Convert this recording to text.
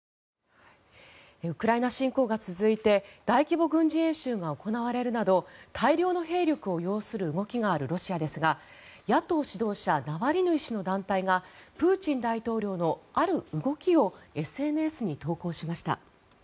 ウクライナ侵攻が続いて大規模軍事演習が行われるなど大量の兵力を要する動きがあるロシアですが野党指導者ナワリヌイ氏の団体がプーチン大統領のある動きをＳＮＳに投稿しました。